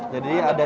jadi ada dua